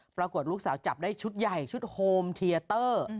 ปรากฏลูกสาวจับได้ชุดใหญ่ชุดโฮมเทียเตอร์